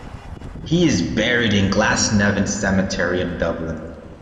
He is buried in Glasnevin Cemetery in Dublin.